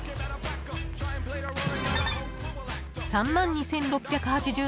［３万２，６８７円］